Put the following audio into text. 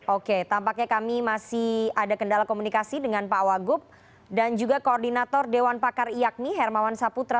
oke tampaknya kami masih ada kendala komunikasi dengan pak wagub dan juga koordinator dewan pakar iakmi hermawan saputra